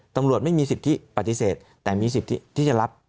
ตำรวจไม่มีสิทธิปฏิเสธแต่มีสิทธิที่จะรับ